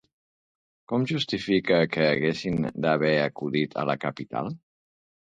Com justifica que haguessin d'haver acudit a la capital?